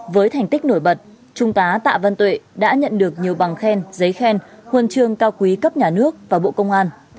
với thành tích nổi bật trung tá tạ văn tuệ đã nhận được nhiều bằng khen giấy khen huân chương cao quý cấp nhà nước và bộ công an